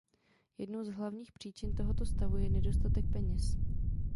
Jednou z hlavních příčin tohoto stavu je nedostatek peněz.